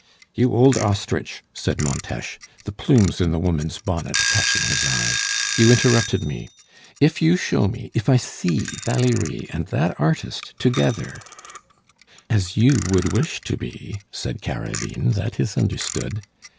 "You old ostrich," said Montes, the plumes in the woman's bonnet catching his eye, "you interrupted me. If you show me if I see Valerie and that artist together " "As you would wish to be " said Carabine; "that is understood."